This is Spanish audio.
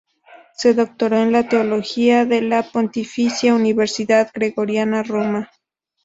Se doctoró en teología en la Pontificia Universidad Gregoriana, Roma.